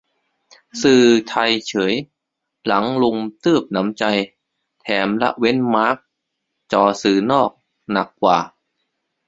สื่อไทยเฉยหลังรุมตื้บหนำใจ แถมละเว้นมาร์คจ้อสื่อนอกหนักกว่า